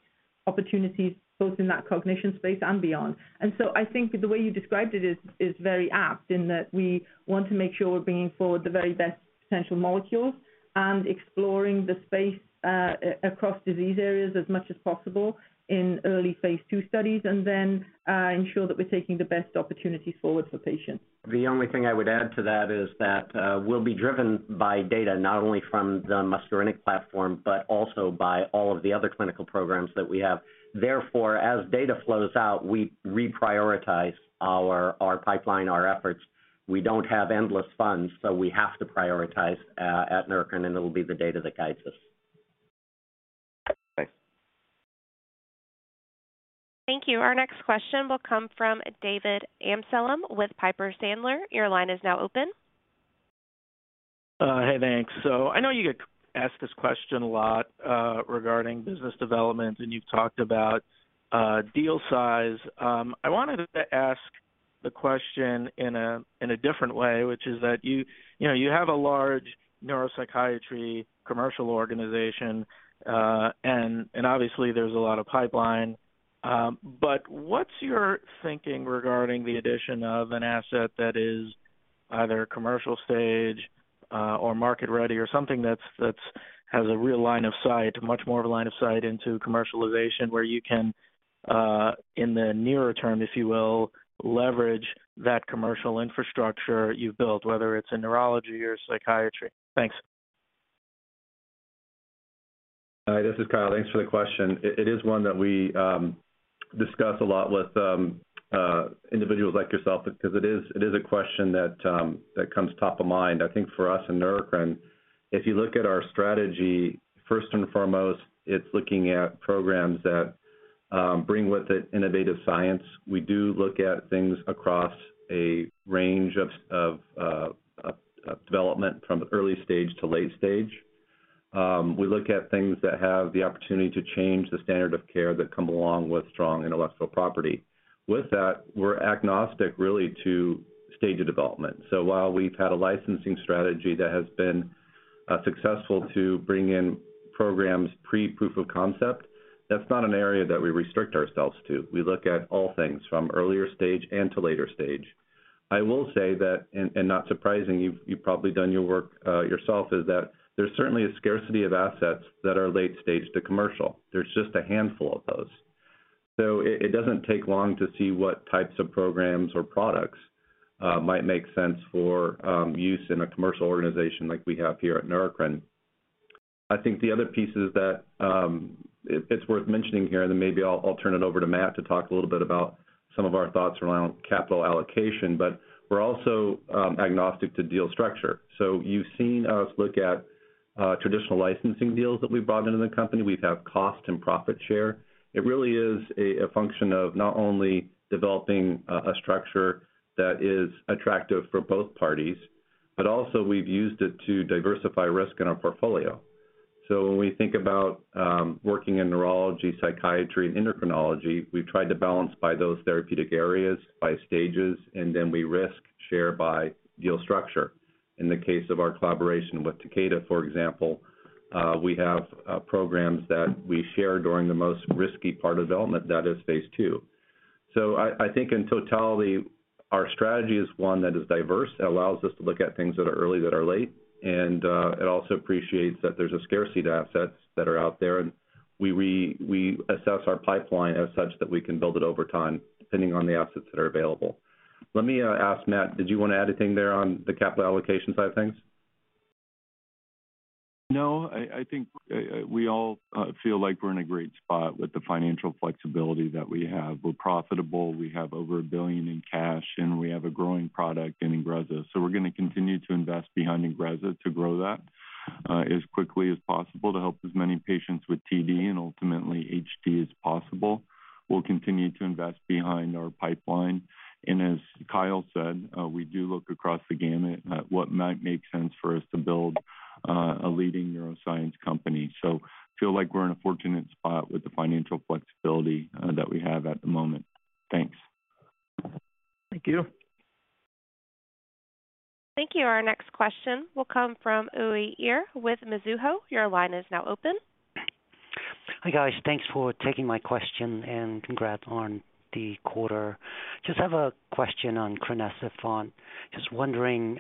opportunities both in that cognition space and beyond. I think the way you described it is very apt in that we want to make sure we're bringing forward the very best potential molecules and exploring the space, across disease areas as much as possible in early phase 2 studies, and then ensure that we're taking the best opportunities forward for patients. The only thing I would add to that is that we'll be driven by data not only from the muscarinic platform, but also by all of the other clinical programs that we have. Therefore, as data flows out, we reprioritize our pipeline, our efforts. We don't have endless funds, so we have to prioritize at Neurocrine, and it'll be the data that guides us. Thank you. Our next question will come from David Amsellem with Piper Sandler. Your line is now open. Hey, thanks. I know you get asked this question a lot regarding business development, and you've talked about deal size. I wanted to ask the question in a different way, which is that you know you have a large neuropsychiatry commercial organization, and obviously there's a lot of pipeline. But what's your thinking regarding the addition of an asset that is either commercial stage or market ready or something that has a real line of sight, much more of a line of sight into commercialization, where you can in the nearer term, if you will, leverage that commercial infrastructure you've built, whether it's in neurology or psychiatry? Thanks. Hi, this is Kyle. Thanks for the question. It is one that we discuss a lot with individuals like yourself because it is a question that comes top of mind. I think for us in Neurocrine, if you look at our strategy, first and foremost, it's looking at programs that bring with it innovative science. We do look at things across a range of development from early stage to late stage. We look at things that have the opportunity to change the standard of care that come along with strong intellectual property. With that, we're agnostic, really, to stage of development. While we've had a licensing strategy that has been successful to bring in programs pre-proof of concept, that's not an area that we restrict ourselves to. We look at all things from earlier stage and to later stage. I will say that, and not surprising, you've probably done your work yourself, is that there's certainly a scarcity of assets that are late stage to commercial. There's just a handful of those. It doesn't take long to see what types of programs or products might make sense for use in a commercial organization like we have here at Neurocrine. I think the other pieces that it's worth mentioning here, then maybe I'll turn it over to Matt to talk a little bit about some of our thoughts around capital allocation. We're also agnostic to deal structure. You've seen us look at traditional licensing deals that we've brought into the company. We have cost and profit share. It really is a function of not only developing a structure that is attractive for both parties, but also we've used it to diversify risk in our portfolio. When we think about working in neurology, psychiatry, and endocrinology, we've tried to balance those therapeutic areas by stages, and then we risk share by deal structure. In the case of our collaboration with Takeda, for example, we have programs that we share during the most risky part of development. That is phase II. I think in totality, our strategy is one that is diverse. It allows us to look at things that are early, that are late, and it also appreciates that there's a scarcity to assets that are out there, and we assess our pipeline as such that we can build it over time, depending on the assets that are available. Let me ask Matt, did you wanna add anything there on the capital allocation side of things? No, I think we all feel like we're in a great spot with the financial flexibility that we have. We're profitable. We have over $1 billion in cash, and we have a growing product in Ingrezza. We're gonna continue to invest behind INGREZZA to grow that as quickly as possible to help as many patients with TD and ultimately HD as possible. We'll continue to invest behind our pipeline. As Kyle said, we do look across the gamut at what might make sense for us to build a leading neuroscience company. Feel like we're in a fortunate spot with the financial flexibility that we have at the moment. Thanks. Thank you. Thank you. Our next question will come from Uy Ear with Mizuho. Your line is now open. Hi, guys. Thanks for taking my question and congrats on the quarter. Just have a question on crinecerfont. Just wondering,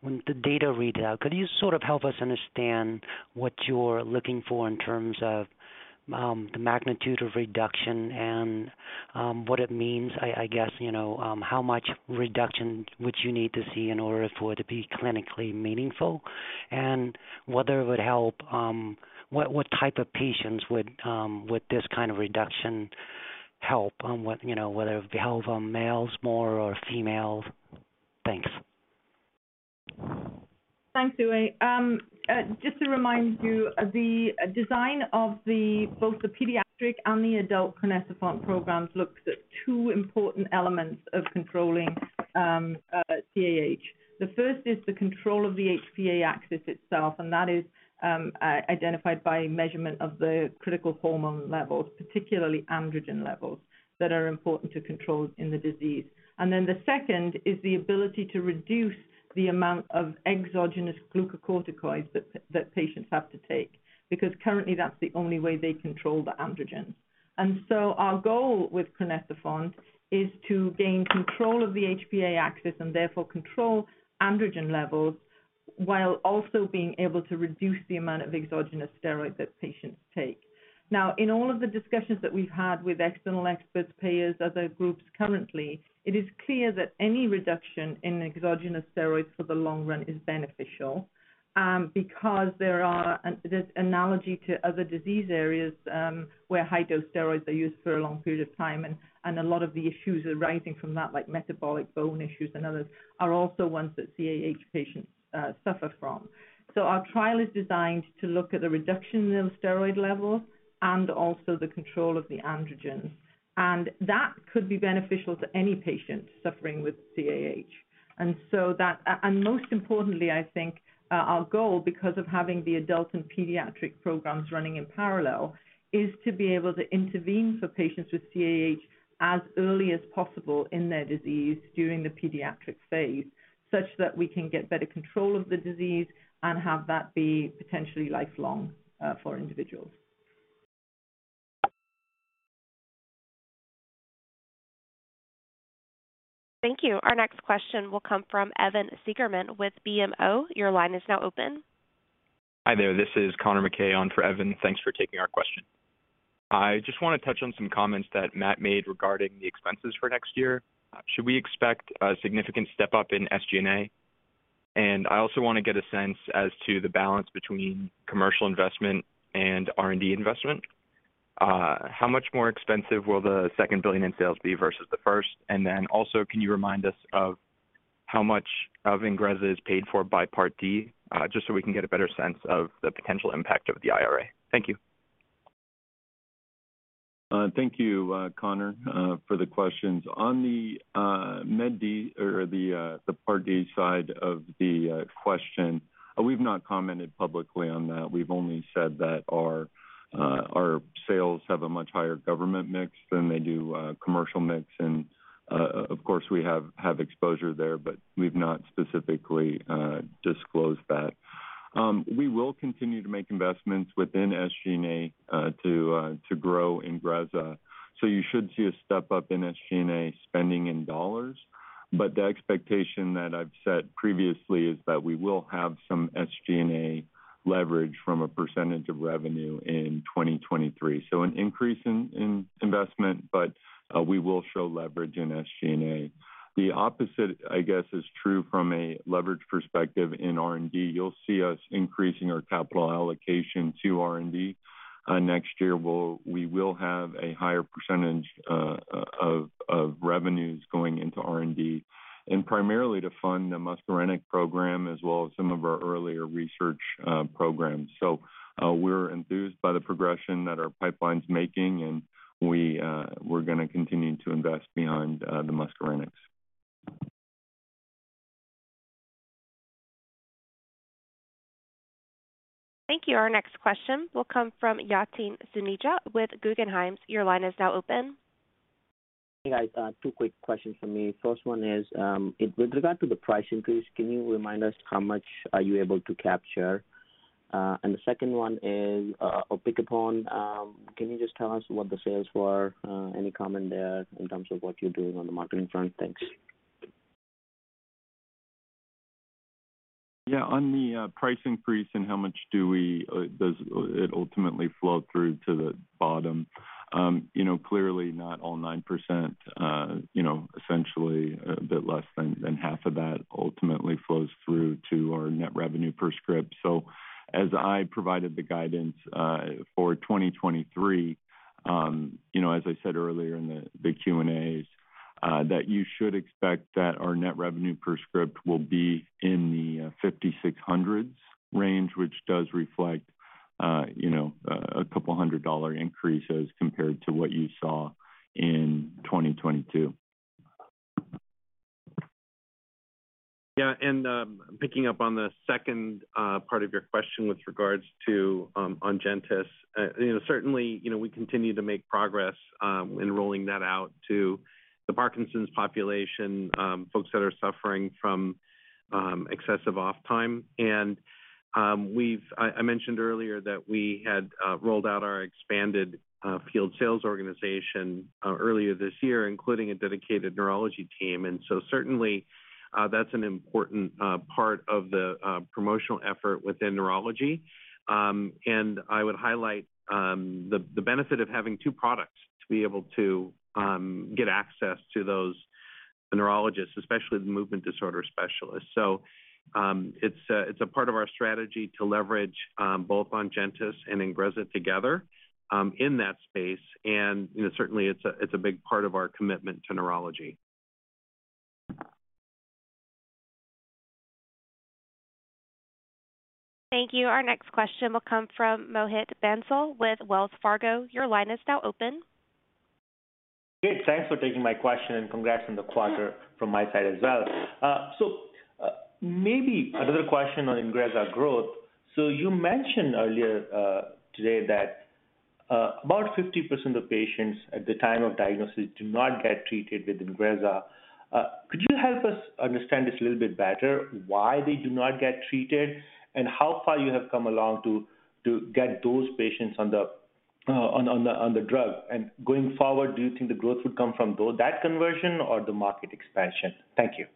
when the data read out, could you sort of help us understand what you're looking for in terms of, the magnitude of reduction and, what it means? I guess, you know, how much reduction would you need to see in order for it to be clinically meaningful? Whether it would help, what type of patients would this kind of reduction help on what, you know, whether it be helpful on males more or females? Thanks. Thanks, Uy. Just to remind you, the design of both the pediatric and the adult Crinecerfont programs looks at two important elements of controlling CAH. The first is the control of the HPA axis itself, and that is identified by measurement of the critical hormone levels, particularly androgen levels that are important to control in the disease. The second is the ability to reduce the amount of exogenous glucocorticoids that patients have to take, because currently that's the only way they control the androgen. Our goal with Crinecerfont is to gain control of the HPA axis and therefore control androgen levels while also being able to reduce the amount of exogenous steroids that patients take. Now, in all of the discussions that we've had with external experts, payers, other groups currently, it is clear that any reduction in exogenous steroids for the long run is beneficial, because there is an analogy to other disease areas, where high-dose steroids are used for a long period of time and a lot of the issues arising from that, like metabolic bone issues and others, are also ones that CAH patients suffer from. Our trial is designed to look at the reduction in steroid levels and also the control of the androgen. That could be beneficial to any patient suffering with CAH. Most importantly, I think, our goal, because of having the adult and pediatric programs running in parallel, is to be able to intervene for patients with CAH as early as possible in their disease during the pediatric phase, such that we can get better control of the disease and have that be potentially lifelong for individuals. Thank you. Our next question will come from Evan Seigerman with BMO. Your line is now open. Hi there, this is Conor MacKay on for Evan Seigerman. Thanks for taking our question. I just wanna touch on some comments that Matt Abernethy made regarding the expenses for next year. Should we expect a significant step-up in SG&A? I also wanna get a sense as to the balance between commercial investment and R&D investment. How much more expensive will the second billion in sales be versus the first? Then also, can you remind us of how much of Ingrezza is paid for by Part D? Just so we can get a better sense of the potential impact of the IRA. Thank you. Thank you, Conor MacKay, for the questions. On the Medicare Part D side of the question, we've not commented publicly on that. We've only said that our sales have a much higher government mix than they do commercial mix. Of course, we have exposure there, but we've not specifically disclosed that. We will continue to make investments within SG&A to grow Ingrezza. You should see a step-up in SG&A spending in dollars. The expectation that I've set previously is that we will have some SG&A leverage from a percentage of revenue in 2023. An increase in investment, but we will show leverage in SG&A. The opposite, I guess, is true from a leverage perspective in R&D. You'll see us increasing our capital allocation to R&D next year. We will have a higher percentage of revenues going into R&D, and primarily to fund the muscarinic program as well as some of our earlier research programs. We're enthused by the progression that our pipeline's making, and we're gonna continue to invest behind the muscarinics. Thank you. Our next question will come from Yatin Suneja with Guggenheim. Your line is now open. Hey, guys, two quick questions from me. First one is, with regard to the price increase, can you remind us how much are you able to capture? And the second one is, ONGENTYS, can you just tell us what the sales were? Any comment there in terms of what you're doing on the marketing front? Thanks. Yeah, on the price increase and how much does it ultimately flow through to the bottom? You know, clearly not all 9%, you know, essentially a bit less than half of that ultimately flows through to our net revenue per script. So as I provided the guidance for 2023, you know, as I said earlier in the Q&As, that you should expect that our net revenue per script will be in the $5,600s range, which does reflect, you know, a couple hundred dollar increase as compared to what you saw in 2022. Yeah, picking up on the second part of your question with regards to ONGENTYS. You know, certainly, you know, we continue to make progress in rolling that out to the Parkinson's population, folks that are suffering from excessive off time. I mentioned earlier that we had rolled out our expanded field sales organization earlier this year, including a dedicated neurology team. Certainly, that's an important part of the promotional effort within neurology. I would highlight the benefit of having two products to be able to get access to those neurologists, especially the movement disorder specialists. It's a part of our strategy to leverage both ONGENTYS and INGREZZA together in that space. You know, certainly it's a big part of our commitment to neurology. Thank you. Our next question will come from Mohit Bansal with Wells Fargo. Your line is now open. Good. Thanks for taking my question, and congrats on the quarter from my side as well. Maybe another question on Ingrezza growth. You mentioned earlier today that about 50% of patients at the time of diagnosis do not get treated with INGREZZA. Could you help us understand this a little bit better, why they do not get treated, and how far you have come along to get those patients on the drug? Going forward, do you think the growth would come from that conversion or the market expansion? Thank you.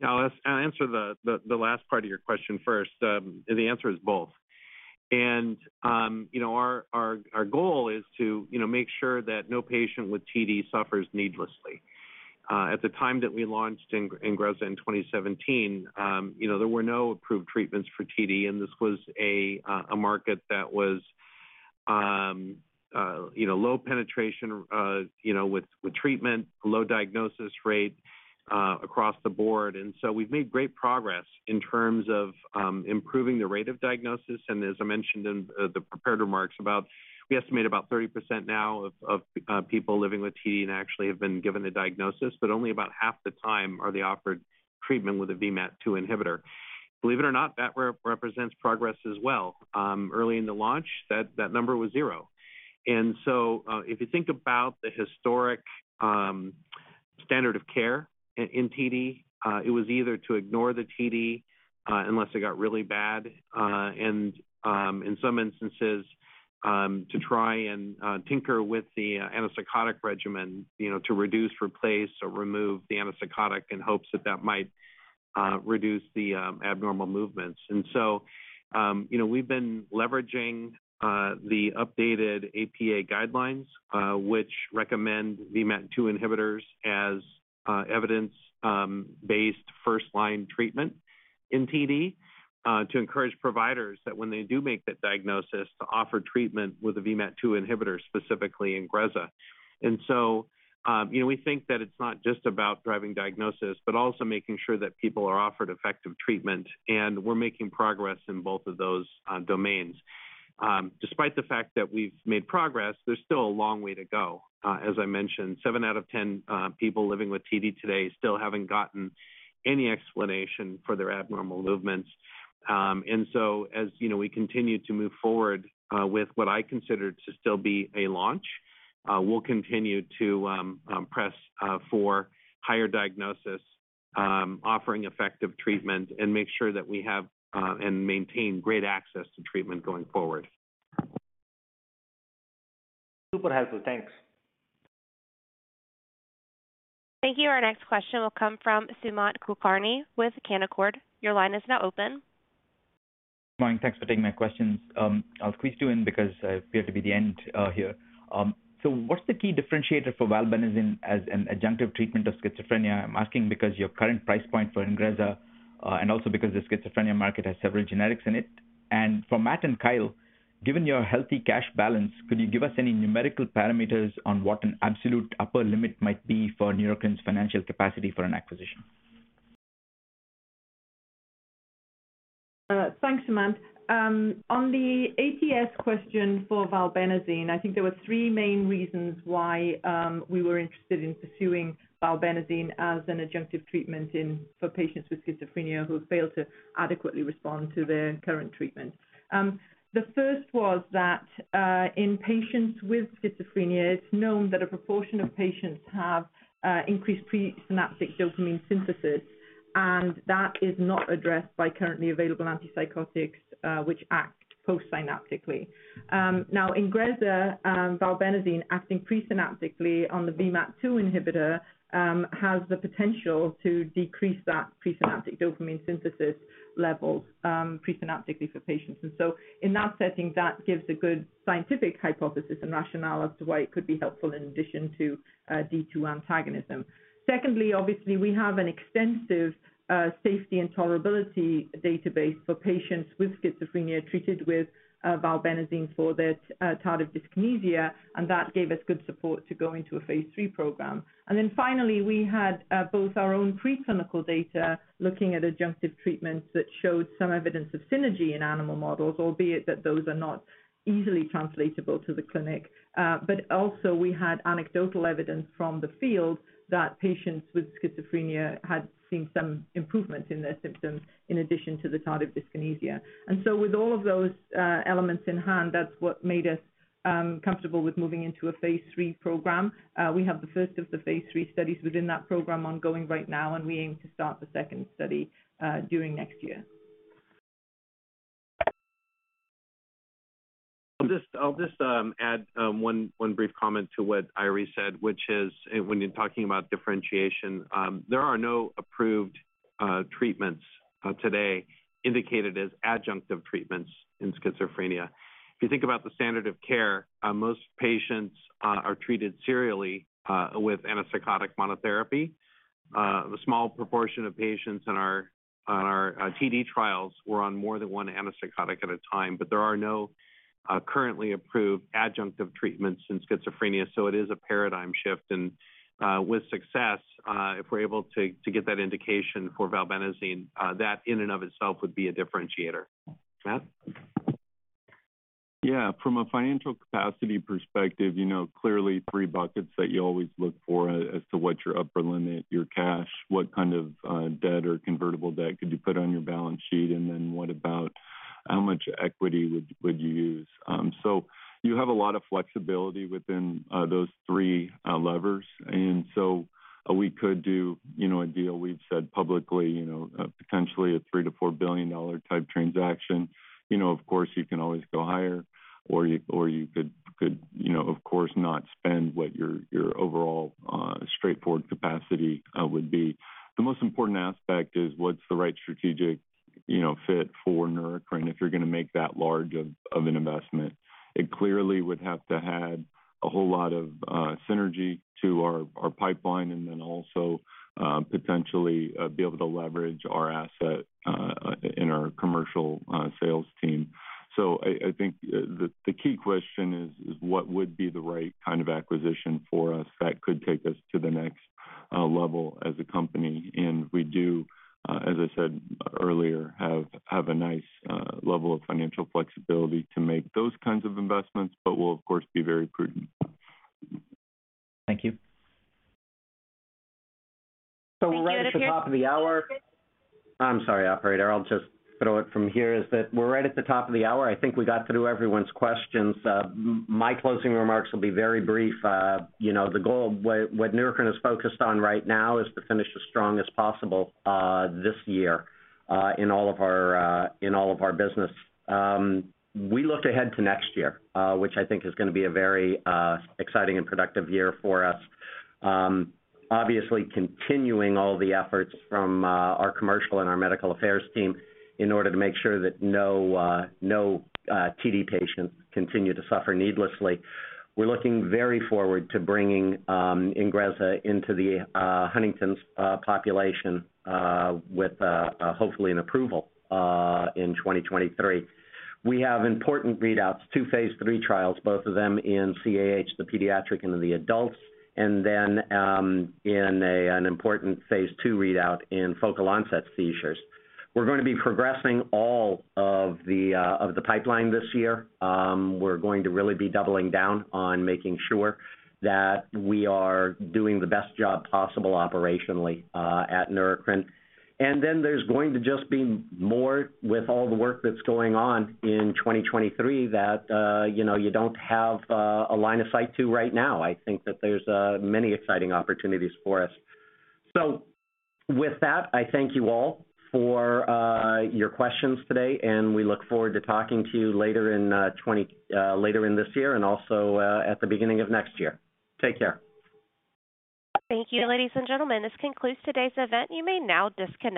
Now, I'll answer the last part of your question first. The answer is both. Our goal is to, you know, make sure that no patient with TD suffers needlessly. At the time that we launched Ingrezza in 2017, you know, there were no approved treatments for TD, and this was a market that was, you know, low penetration, you know, with treatment, low diagnosis rate, across the board. We've made great progress in terms of improving the rate of diagnosis. As I mentioned in the prepared remarks, we estimate about 30% now of people living with TD actually have been given a diagnosis, but only about half the time are they offered treatment with a VMAT2 inhibitor. Believe it or not, that represents progress as well. Early in the launch, that number was zero. If you think about the historic standard of care in TD, it was either to ignore the TD unless it got really bad, and in some instances, to try and tinker with the antipsychotic regimen, you know, to reduce, replace, or remove the antipsychotic in hopes that that might reduce the abnormal movements. You know, we've been leveraging the updated APA guidelines, which recommend VMAT2 inhibitors as evidence-based first-line treatment in TD, to encourage providers that when they do make that diagnosis, to offer treatment with a VMAT2 inhibitor, specifically Ingrezza. You know, we think that it's not just about driving diagnosis, but also making sure that people are offered effective treatment, and we're making progress in both of those domains. Despite the fact that we've made progress, there's still a long way to go. As I mentioned, 7 out of 10 people living with TD today still haven't gotten any explanation for their abnormal movements. As you know, we continue to move forward with what I consider to still be a launch. We'll continue to press for higher diagnosis, offering effective treatment and make sure that we have and maintain great access to treatment going forward. Super helpful. Thanks. Thank you. Our next question will come from Sumant Kulkarni with Canaccord. Your line is now open. Morning. Thanks for taking my questions. I'll squeeze you in because I appear to be the end here. So what's the key differentiator for valbenazine as an adjunctive treatment of schizophrenia? I'm asking because your current price point for Ingrezza and also because the schizophrenia market has several generics in it. For Matt and Kyle, given your healthy cash balance, could you give us any numerical parameters on what an absolute upper limit might be for Neurocrine's financial capacity for an acquisition? Thanks, Sumant. On the ATS question for Valbenazine, I think there were three main reasons why we were interested in pursuing Valbenazine as an adjunctive treatment in for patients with schizophrenia who failed to adequately respond to their current treatment. The first was that in patients with schizophrenia, it's known that a proportion of patients have increased presynaptic dopamine synthesis, and that is not addressed by currently available antipsychotics, which act Postsynaptically. Now INGREZZA, Valbenazine acting Presynaptically on the VMAT2 inhibitor, has the potential to decrease that presynaptic dopamine synthesis level Presynaptically for patients. In that setting, that gives a good scientific hypothesis and rationale as to why it could be helpful in addition to D2 antagonism. Secondly, obviously we have an extensive safety and tolerability database for patients with schizophrenia treated with Valbenazine for their tardive dyskinesia, and that gave us good support to go into a phase 3 program. Then finally, we had both our own preclinical data looking at adjunctive treatments that showed some evidence of synergy in animal models, albeit that those are not easily translatable to the clinic. also we had anecdotal evidence from the field that patients with schizophrenia had seen some improvement in their symptoms in addition to the tardive dyskinesia. with all of those elements in hand, that's what made us comfortable with moving into a phase 3 program. we have the first of the phase III studies within that program ongoing right now, and we aim to start the second study during next year. I'll just add one brief comment to what Eiry said, which is when you're talking about differentiation, there are no approved treatments today indicated as adjunctive treatments in schizophrenia. If you think about the standard of care, most patients are treated serially with antipsychotic monotherapy. The small proportion of patients in our TD trials were on more than one antipsychotic at a time, but there are no currently approved adjunctive treatments in schizophrenia. It is a paradigm shift. With success, if we're able to get that indication for Valbenazine, that in and of itself would be a differentiator. Todd? Yeah. From a financial capacity perspective, you know, clearly three buckets that you always look for as to what your upper limit, your cash, what kind of debt or convertible debt could you put on your balance sheet, and then what about how much equity would you use. You have a lot of flexibility within those three levers. We could do, you know, a deal we've said publicly, you know, potentially a $3 billion-$4 billion type transaction. You know, of course, you can always go higher or you could, you know, of course not spend what your overall straightforward capacity would be. The most important aspect is what's the right strategic, you know, fit for Neurocrine if you're gonna make that large of an investment. It clearly would have to add a whole lot of synergy to our pipeline and then also potentially be able to leverage our asset in our commercial sales team. I think the key question is what would be the right kind of acquisition for us that could take us to the next level as a company? We do as I said earlier have a nice level of financial flexibility to make those kinds of investments, but we'll of course be very prudent. Thank you. Thank you. That concludes. We're right at the top of the hour. I'm sorry, operator. I'll just take it from here, that we're right at the top of the hour. I think we got through everyone's questions. My closing remarks will be very brief. You know, the goal, what Neurocrine is focused on right now is to finish as strong as possible, this year, in all of our business. We look ahead to next year, which I think is gonna be a very exciting and productive year for us. Obviously continuing all the efforts from our commercial and our medical affairs team in order to make sure that no TD patients continue to suffer needlessly. We're looking very forward to bringing INGREZZA into the Huntington's population with hopefully an approval in 2023. We have important readouts, two phase 3 trials, both of them in CAH, the pediatric and in the adults, and then in an important phase 2 readout in focal onset seizures. We're gonna be progressing all of the pipeline this year. We're going to really be doubling down on making sure that we are doing the best job possible operationally at Neurocrine. Then there's going to just be more with all the work that's going on in 2023 that you know you don't have a line of sight to right now. I think that there's many exciting opportunities for us. With that, I thank you all for your questions today, and we look forward to talking to you later in this year and also at the beginning of next year. Take care. Thank you, ladies and gentlemen. This concludes today's event. You may now disconnect.